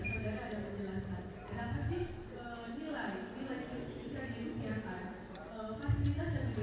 apakah sudah diadresasi masih pada waktu itu